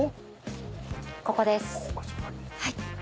ここです。